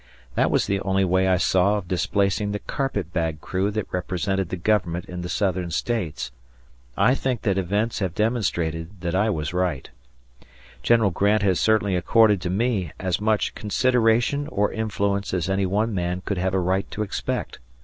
That was the only way I saw of displacing the carpetbag crew that represented the Government in the Southern States. I think that events have demonstrated that I was right. "General Grant has certainly accorded to me as much consideration or influence as any one man could have a right to expect.